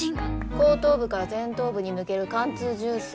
後頭部から前頭部に抜ける貫通銃創。